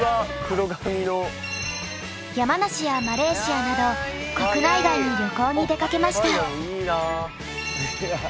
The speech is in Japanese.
山梨やマレーシアなど国内外に旅行に出かけました。